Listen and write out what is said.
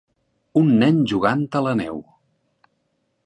Un nen jugant a la neu.